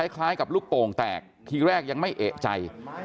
คล้ายกับลูกโป่งแตกทีแรกยังไม่เอกใจ